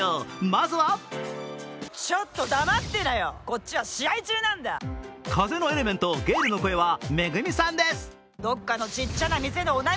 まずは風のエレメント、ゲイルの声はＭＥＧＵＭＩさんです。